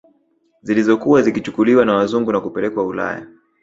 Zilizokuwa zikichukuliwa na wazungu na kupelekwa Ulaya